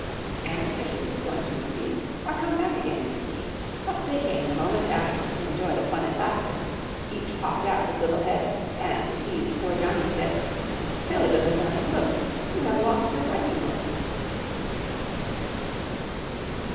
And the fishes, one, two, three, Are come back again, you see; Up they came the moment after, To enjoy the fun and laughter. Each popped out his little head, And, to tease poor Johnny, said "Silly little Johnny, look, You have lost your writing book!"